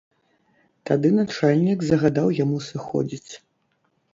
Тады начальнік загадаў яму сыходзіць.